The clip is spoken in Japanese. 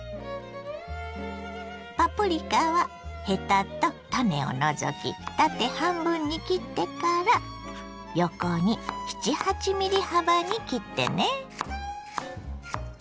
パプリカはヘタと種を除き縦半分に切ってから横に７８ｍｍ幅に切ってね。